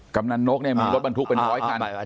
กำลังนกเนี่ยมีรถบรรทุกเป็นร้อยคัน